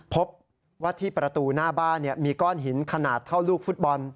พบว่าที่ประตูหน้าบ้านมีก้อนหินขนาดเท่าลูกฟุตบอล